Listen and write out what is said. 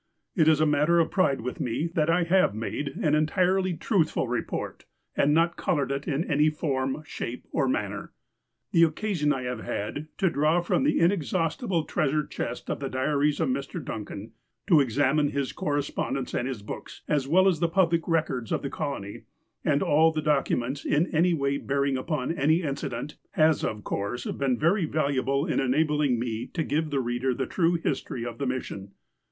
It is a matter of pride with me that I have made an en tirely truthful report, and not coloured it in any form, shape, or manner. The occasion I have had to draw from the inexhaustible treasure chests of the diaries of Mr. Duncan, to examine his correspondence and his books, as well as the public records of the colony, and all documents in any way bearing upon auy incident, has of course been very valu able in enabling me to give to the reader the true history of the mission.